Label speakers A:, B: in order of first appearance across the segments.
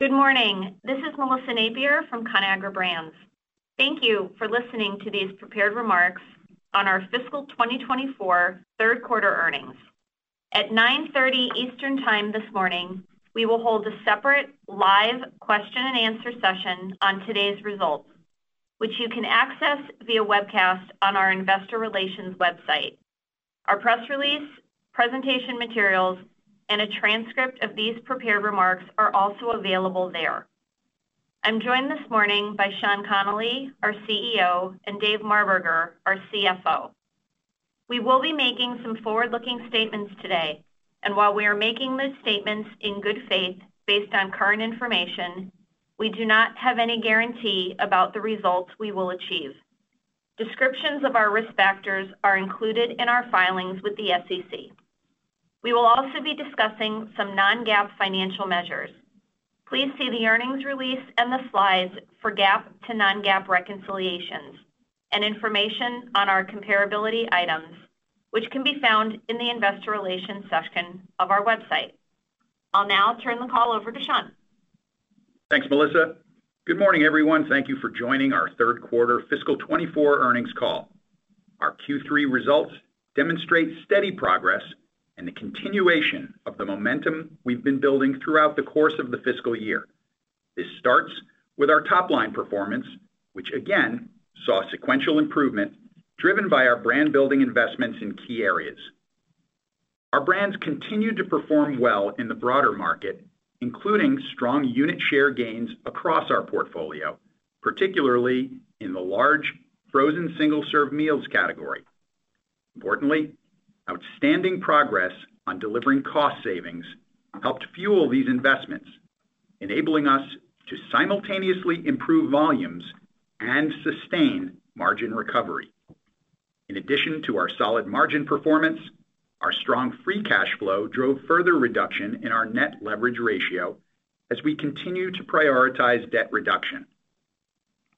A: Good morning. This is Melissa Napier from Conagra Brands. Thank you for listening to these prepared remarks on our fiscal 2024 third quarter earnings. At 9:30 A.M. Eastern Time this morning, we will hold a separate live question-and-answer session on today's results, which you can access via webcast on our investor relations website. Our press release, presentation materials, and a transcript of these prepared remarks are also available there. I'm joined this morning by Sean Connolly, our CEO, and Dave Marberger, our CFO. We will be making some forward-looking statements today, and while we are making those statements in good faith based on current information, we do not have any guarantee about the results we will achieve. Descriptions of our risk factors are included in our filings with the SEC. We will also be discussing some non-GAAP financial measures. Please see the earnings release and the slides for GAAP to non-GAAP reconciliations and information on our comparability items, which can be found in the investor relations section of our website. I'll now turn the call over to Sean.
B: Thanks, Melissa. Good morning, everyone. Thank you for joining our third quarter fiscal 2024 earnings call. Our Q3 results demonstrate steady progress and the continuation of the momentum we've been building throughout the course of the fiscal year. This starts with our top-line performance, which again saw sequential improvement driven by our brand-building investments in key areas. Our brands continue to perform well in the broader market, including strong unit share gains across our portfolio, particularly in the large frozen single-serve meals category. Importantly, outstanding progress on delivering cost savings helped fuel these investments, enabling us to simultaneously improve volumes and sustain margin recovery. In addition to our solid margin performance, our strong free cash flow drove further reduction in our net leverage ratio as we continue to prioritize debt reduction.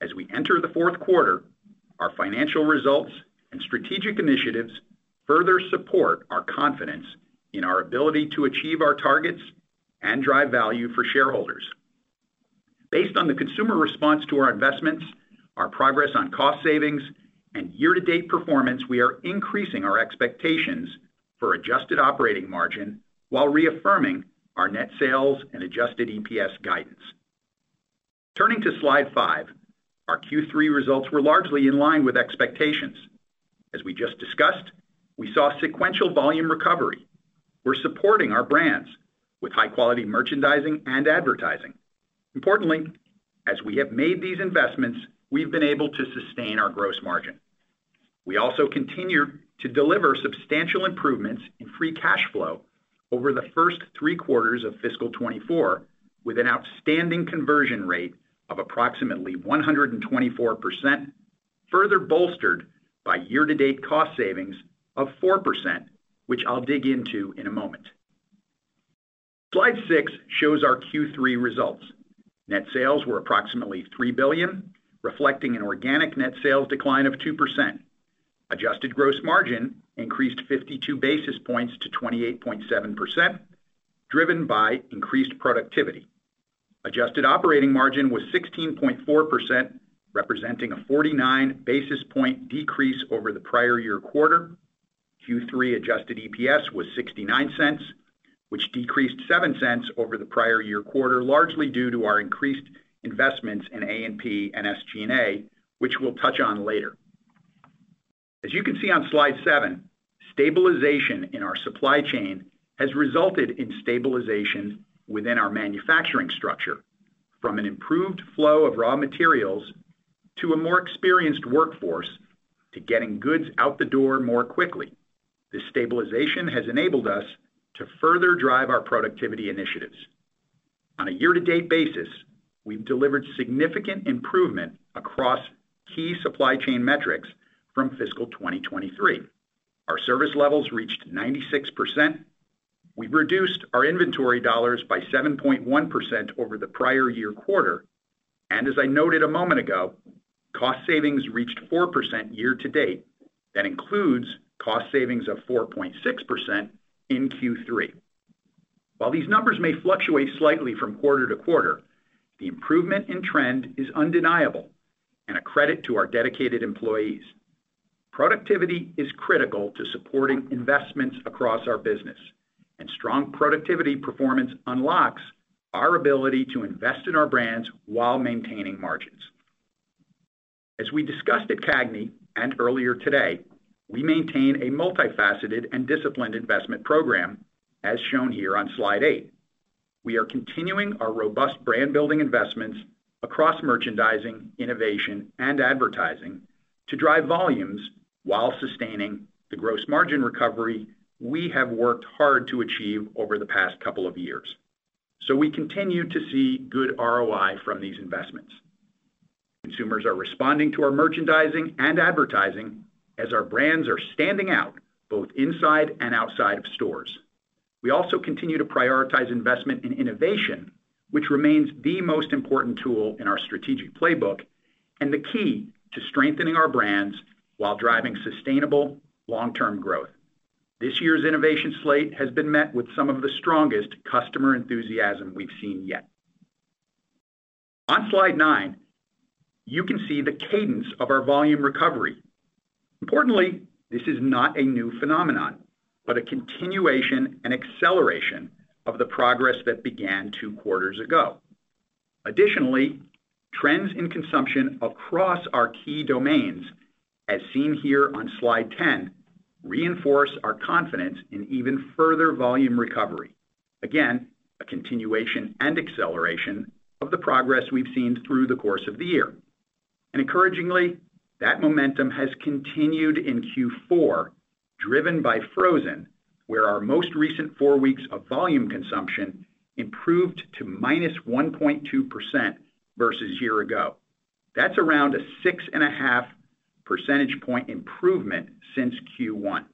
B: As we enter the fourth quarter, our financial results and strategic initiatives further support our confidence in our ability to achieve our targets and drive value for shareholders. Based on the consumer response to our investments, our progress on cost savings, and year-to-date performance, we are increasing our expectations for adjusted operating margin while reaffirming our net sales and adjusted EPS guidance. Turning to Slide five, our Q3 results were largely in line with expectations. As we just discussed, we saw sequential volume recovery. We're supporting our brands with high-quality merchandising and advertising. Importantly, as we have made these investments, we've been able to sustain our gross margin. We also continue to deliver substantial improvements in free cash flow over the first three quarters of fiscal 2024 with an outstanding conversion rate of approximately 124%, further bolstered by year-to-date cost savings of 4%, which I'll dig into in a moment. Slide six shows our Q3 results. Net sales were approximately $3 billion, reflecting an organic net sales decline of 2%. Adjusted gross margin increased 52 basis points to 28.7%, driven by increased productivity. Adjusted operating margin was 16.4%, representing a 49 basis point decrease over the prior year quarter. Q3 adjusted EPS was $0.69, which decreased $0.07 over the prior year quarter, largely due to our increased investments in A&P and SG&A, which we'll touch on later. As you can see on Slide seven, stabilization in our supply chain has resulted in stabilization within our manufacturing structure, from an improved flow of raw materials to a more experienced workforce to getting goods out the door more quickly. This stabilization has enabled us to further drive our productivity initiatives. On a year-to-date basis, we've delivered significant improvement across key supply chain metrics from fiscal 2023. Our service levels reached 96%. We've reduced our inventory dollars by 7.1% over the prior year quarter. As I noted a moment ago, cost savings reached 4% year-to-date. That includes cost savings of 4.6% in Q3. While these numbers may fluctuate slightly from quarter to quarter, the improvement in trend is undeniable, and a credit to our dedicated employees. Productivity is critical to supporting investments across our business, and strong productivity performance unlocks our ability to invest in our brands while maintaining margins. As we discussed at CAGNY and earlier today, we maintain a multifaceted and disciplined investment program, as shown here on Slide eight. We are continuing our robust brand-building investments across merchandising, innovation, and advertising to drive volumes while sustaining the gross margin recovery we have worked hard to achieve over the past couple of years. We continue to see good ROI from these investments. Consumers are responding to our merchandising and advertising as our brands are standing out both inside and outside of stores. We also continue to prioritize investment in innovation, which remains the most important tool in our strategic playbook and the key to strengthening our brands while driving sustainable, long-term growth. This year's innovation slate has been met with some of the strongest customer enthusiasm we've seen yet. On Slide nine, you can see the cadence of our volume recovery. Importantly, this is not a new phenomenon, but a continuation and acceleration of the progress that began two quarters ago. Additionally, trends in consumption across our key domains, as seen here on Slide 10, reinforce our confidence in even further volume recovery, again, a continuation and acceleration of the progress we've seen through the course of the year. And encouragingly, that momentum has continued in Q4, driven by frozen, where our most recent four weeks of volume consumption improved to minus 1.2% versus year ago. That's around a 6.5 percentage point improvement since Q1.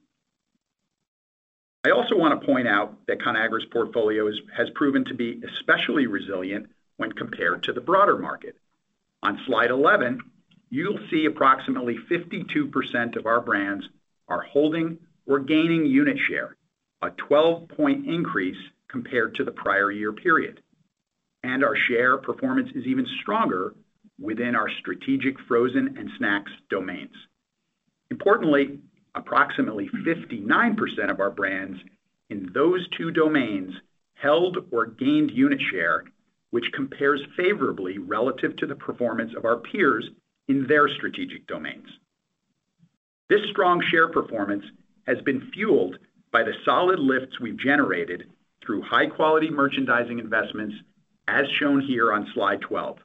B: I also want to point out that Conagra's portfolio has proven to be especially resilient when compared to the broader market. On Slide 11, you'll see approximately 52% of our brands are holding or gaining unit share, a 12-point increase compared to the prior year period. And our share performance is even stronger within our strategic frozen and snacks domains. Importantly, approximately 59% of our brands in those two domains held or gained unit share, which compares favorably relative to the performance of our peers in their strategic domains. This strong share performance has been fueled by the solid lifts we've generated through high-quality merchandising investments, as shown here on Slide 12.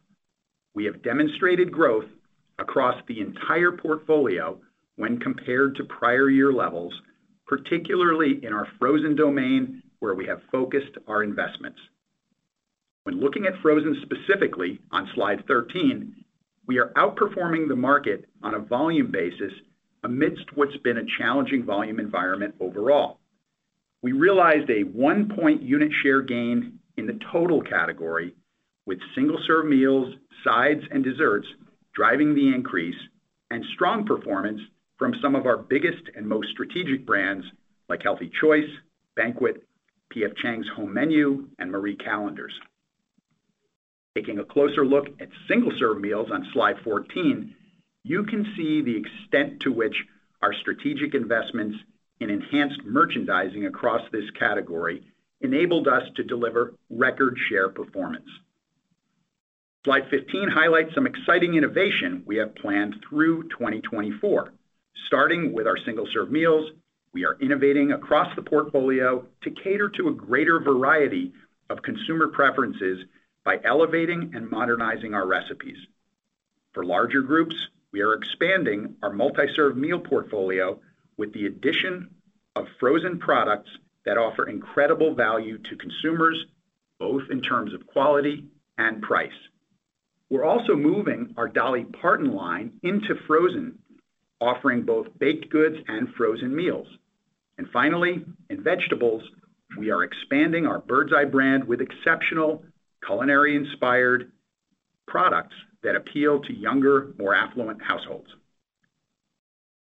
B: We have demonstrated growth across the entire portfolio when compared to prior year levels, particularly in our frozen domain where we have focused our investments. When looking at frozen specifically on Slide 13, we are outperforming the market on a volume basis amidst what's been a challenging volume environment overall. We realized a one-point unit share gain in the total category, with single-serve meals, sides, and desserts driving the increase, and strong performance from some of our biggest and most strategic brands like Healthy Choice, Banquet, P.F. Chang's Home Menu, and Marie Callender's. Taking a closer look at single-serve meals on Slide 14, you can see the extent to which our strategic investments in enhanced merchandising across this category enabled us to deliver record share performance. Slide 15 highlights some exciting innovation we have planned through 2024. Starting with our single-serve meals, we are innovating across the portfolio to cater to a greater variety of consumer preferences by elevating and modernizing our recipes. For larger groups, we are expanding our multi-serve meal portfolio with the addition of frozen products that offer incredible value to consumers, both in terms of quality and price. We're also moving our Dolly Parton line into frozen, offering both baked goods and frozen meals. And finally, in vegetables, we are expanding our Birds Eye brand with exceptional culinary-inspired products that appeal to younger, more affluent households.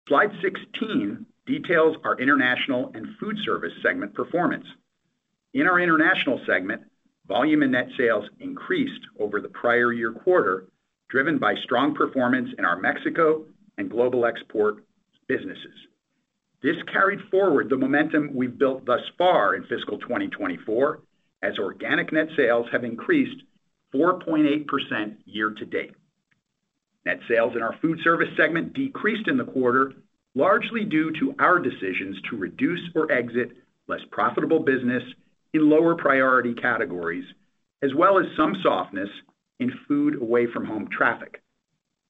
B: Slide 16 details our international and food service segment performance. In our international segment, volume and net sales increased over the prior year quarter, driven by strong performance in our Mexico and global export businesses. This carried forward the momentum we've built thus far in fiscal 2024, as organic net sales have increased 4.8% year-to-date. Net sales in our food service segment decreased in the quarter, largely due to our decisions to reduce or exit less profitable business in lower priority categories, as well as some softness in food away-from-home traffic.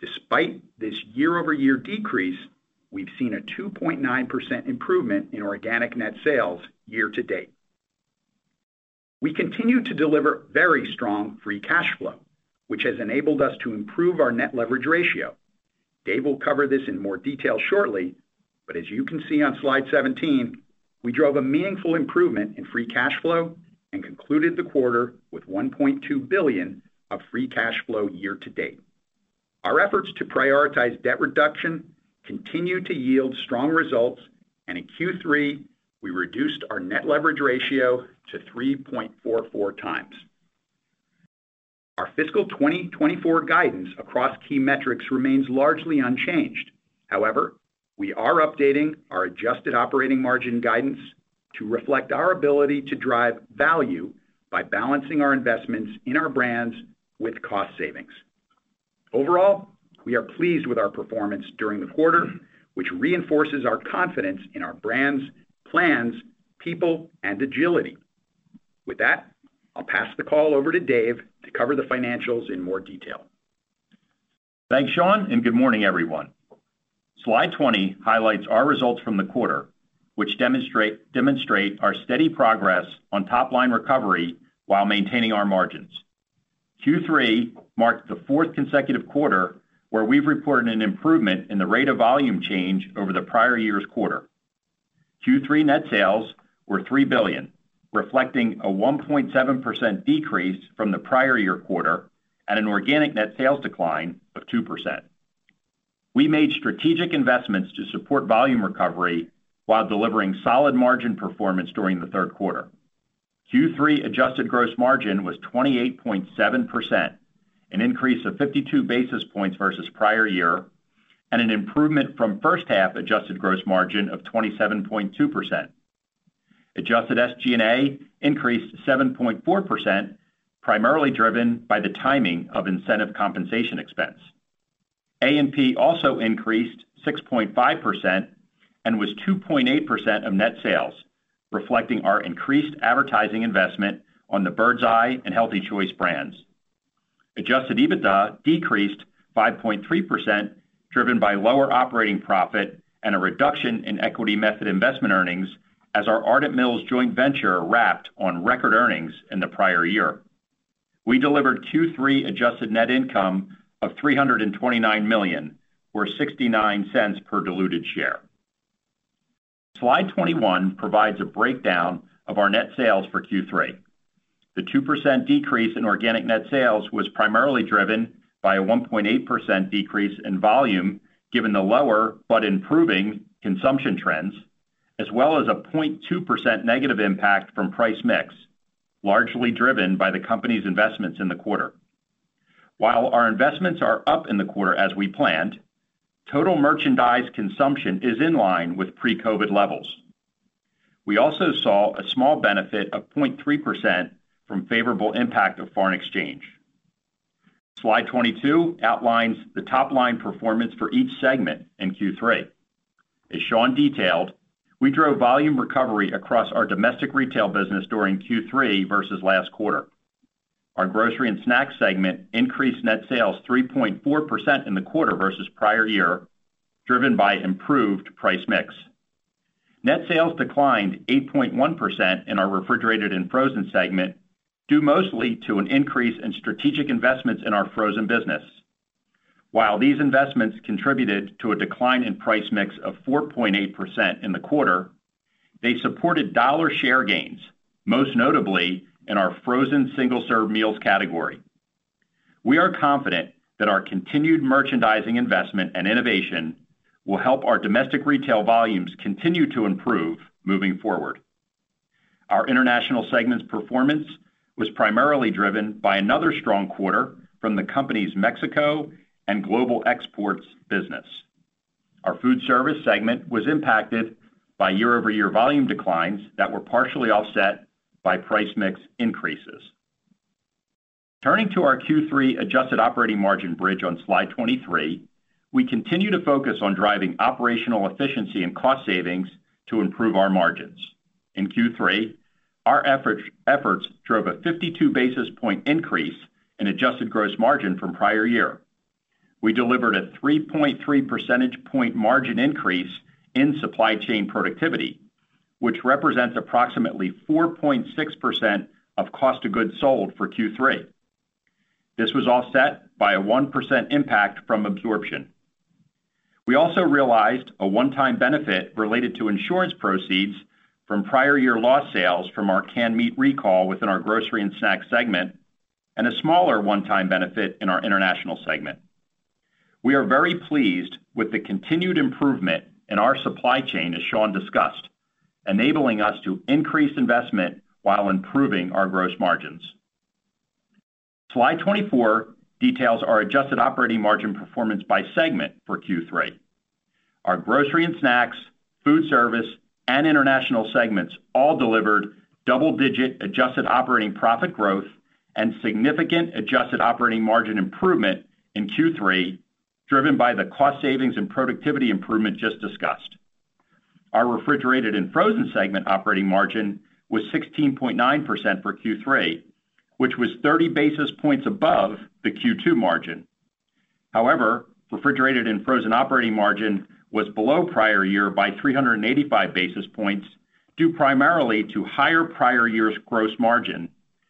B: Despite this year-over-year decrease, we've seen a 2.9% improvement in organic net sales year-to-date. We continue to deliver very strong free cash flow, which has enabled us to improve our net leverage ratio. Dave will cover this in more detail shortly, but as you can see on Slide 17, we drove a meaningful improvement in free cash flow and concluded the quarter with $1.2 billion of free cash flow year-to-date. Our efforts to prioritize debt reduction continue to yield strong results, and in Q3, we reduced our net leverage ratio to 3.44x. Our fiscal 2024 guidance across key metrics remains largely unchanged. However, we are updating our adjusted operating margin guidance to reflect our ability to drive value by balancing our investments in our brands with cost savings. Overall, we are pleased with our performance during the quarter, which reinforces our confidence in our brands, plans, people, and agility. With that, I'll pass the call over to Dave to cover the financials in more detail. Thanks, Sean, and good morning, everyone. Slide 20 highlights our results from the quarter, which demonstrate our steady progress on top-line recovery while maintaining our margins. Q3 marked the fourth consecutive quarter where we've reported an improvement in the rate of volume change over the prior year's quarter. Q3 net sales were $3 billion, reflecting a 1.7% decrease from the prior year quarter and an organic net sales decline of 2%. We made strategic investments to support volume recovery while delivering solid margin performance during the third quarter. Q3 adjusted gross margin was 28.7%, an increase of 52 basis points versus prior year, and an improvement from first-half adjusted gross margin of 27.2%. Adjusted SG&A increased 7.4%, primarily driven by the timing of incentive compensation expense. A&P also increased 6.5% and was 2.8% of net sales, reflecting our increased advertising investment on the Birds Eye and Healthy Choice brands. Adjusted EBITDA decreased 5.3%, driven by lower operating profit and a reduction in equity method investment earnings, as our Ardent Mills joint venture lapped on record earnings in the prior year. We delivered Q3 adjusted net income of $329 million, or $0.69 per diluted share. Slide 21 provides a breakdown of our net sales for Q3. The 2% decrease in organic net sales was primarily driven by a 1.8% decrease in volume, given the lower but improving consumption trends, as well as a 0.2% negative impact from price mix, largely driven by the company's investments in the quarter. While our investments are up in the quarter as we planned, total merchandise consumption is in line with pre-COVID levels. We also saw a small benefit of 0.3% from favorable impact of foreign exchange. Slide 22 outlines the top-line performance for each segment in Q3. As Sean detailed, we drove volume recovery across our domestic retail business during Q3 versus last quarter. Our grocery and snacks segment increased net sales 3.4% in the quarter versus prior year, driven by improved price mix. Net sales declined 8.1% in our refrigerated and frozen segment, due mostly to an increase in strategic investments in our frozen business. While these investments contributed to a decline in price mix of 4.8% in the quarter, they supported dollar share gains, most notably in our frozen single-serve meals category. We are confident that our continued merchandising investment and innovation will help our domestic retail volumes continue to improve moving forward. Our international segment's performance was primarily driven by another strong quarter from the company's Mexico and global exports business. Our food service segment was impacted by year-over-year volume declines that were partially offset by price mix increases. Turning to our Q3 adjusted operating margin bridge on Slide 23, we continue to focus on driving operational efficiency and cost savings to improve our margins. In Q3, our efforts drove a 52 basis point increase in adjusted gross margin from prior year. We delivered a 3.3 percentage point margin increase in supply chain productivity, which represents approximately 4.6% of cost of goods sold for Q3. This was offset by a 1% impact from absorption. We also realized a one-time benefit related to insurance proceeds from prior year loss sales from our canned meat recall within our grocery and snacks segment, and a smaller one-time benefit in our international segment. We are very pleased with the continued improvement in our supply chain, as Sean discussed, enabling us to increase investment while improving our gross margins. Slide 24 details our adjusted operating margin performance by segment for Q3. Our grocery and snacks, food service, and international segments all delivered double-digit adjusted operating profit growth and significant adjusted operating margin improvement in Q3, driven by the cost savings and productivity improvement just discussed. Our refrigerated and frozen segment operating margin was 16.9% for Q3, which was 30 basis points above the Q2 margin. However, refrigerated and frozen operating margin was below prior year by 385 basis points, due primarily to higher prior year's gross margin,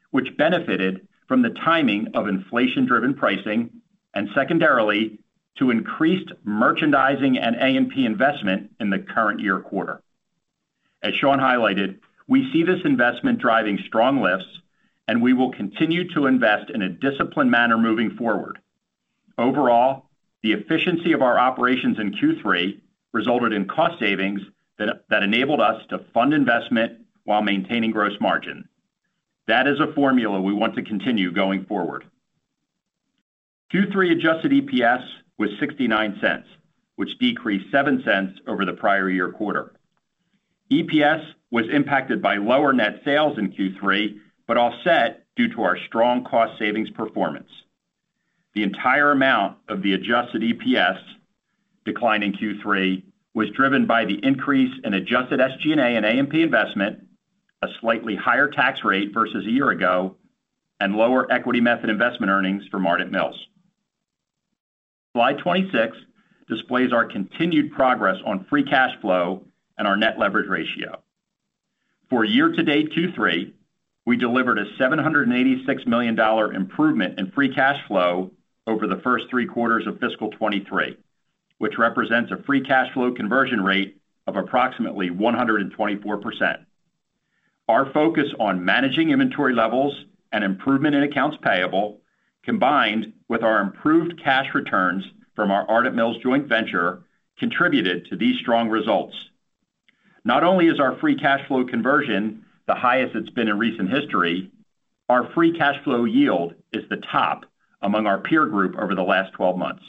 B: which benefited from the timing of inflation-driven pricing and, secondarily, to increased merchandising and A&P investment in the current year quarter. As Sean highlighted, we see this investment driving strong lifts, and we will continue to invest in a disciplined manner moving forward. Overall, the efficiency of our operations in Q3 resulted in cost savings that enabled us to fund investment while maintaining gross margin. That is a formula we want to continue going forward. Q3 adjusted EPS was $0.69, which decreased $0.07 over the prior-year quarter. EPS was impacted by lower net sales in Q3 but offset due to our strong cost savings performance. The entire amount of the adjusted EPS decline in Q3 was driven by the increase in Adjusted SG&A and A&P investment, a slightly higher tax rate versus a year ago, and lower equity method investment earnings from Ardent Mills. Slide 26 displays our continued progress on free cash flow and our net leverage ratio. For year-to-date Q3, we delivered a $786 million improvement in free cash flow over the first three quarters of fiscal 2023, which represents a free cash flow conversion rate of approximately 124%. Our focus on managing inventory levels and improvement in accounts payable, combined with our improved cash returns from our Ardent Mills joint venture, contributed to these strong results. Not only is our free cash flow conversion the highest it's been in recent history, our free cash flow yield is the top among our peer group over the last 12 months.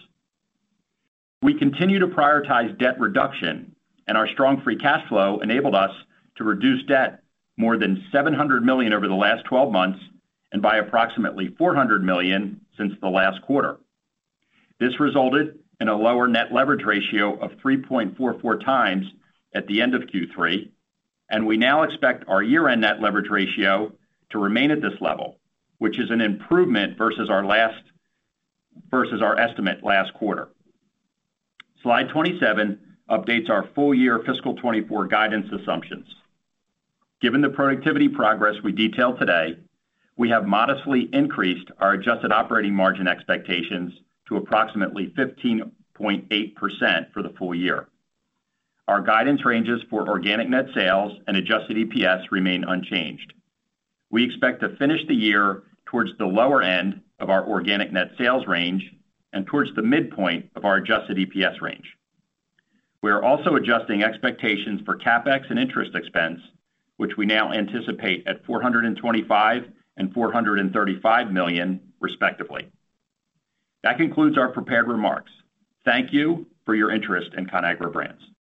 B: We continue to prioritize debt reduction, and our strong free cash flow enabled us to reduce debt more than $700 million over the last 12 months and by approximately $400 million since the last quarter. This resulted in a lower net leverage ratio of 3.44 times at the end of Q3, and we now expect our year-end net leverage ratio to remain at this level, which is an improvement versus our estimate last quarter. Slide 27 updates our full year fiscal 2024 guidance assumptions. Given the productivity progress we detail today, we have modestly increased our adjusted operating margin expectations to approximately 15.8% for the full year. Our guidance ranges for organic net sales and adjusted EPS remain unchanged. We expect to finish the year towards the lower end of our organic net sales range and towards the midpoint of our adjusted EPS range. We are also adjusting expectations for CapEx and interest expense, which we now anticipate at $425 million and $435 million, respectively. That concludes our prepared remarks. Thank you for your interest in Conagra Brands.